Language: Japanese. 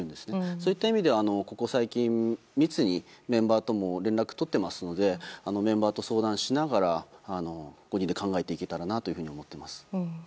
そういった意味ではここ最近密にメンバーとも連絡を取っていますのでメンバーと相談しながら５人で考えていけたらなと思います。